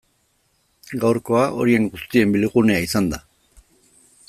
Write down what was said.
Gaurkoa horien guztien bilgunea izan da.